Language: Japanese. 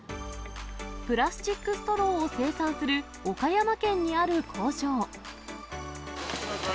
プラスチックストローを生産する、岡山県にある工場。